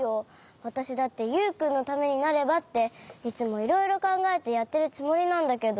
わたしだってユウくんのためになればっていつもいろいろかんがえてやってるつもりなんだけど。